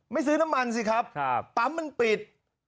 ซื้อน้ำมันสิครับปั๊มมันปิด